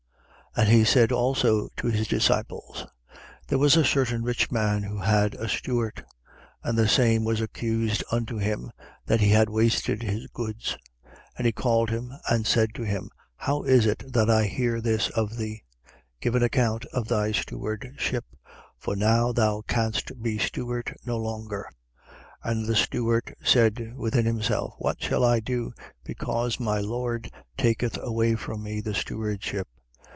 16:1. And he said also to his disciples: There was a certain rich man who had a steward: and the same was accused unto him, that he had wasted his goods. 16:2. And he called him and said to him: How is it that I hear this of thee? Give an account of thy stewardship: for now thou canst be steward no longer. 16:3. And the steward said within himself: What shall I do, because my lord taketh away from me the stewardship?